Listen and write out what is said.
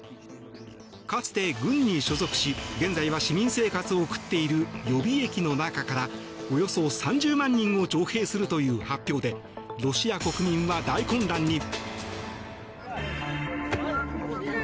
かつて軍に所属し現在は市民生活を送っている予備役の中からおよそ３０万人を徴兵するという発表でロシア国民は大混乱に。